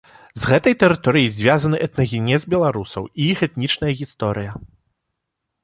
З гэтай тэрыторыяй звязаны этнагенез беларусаў і іх этнічная гісторыя.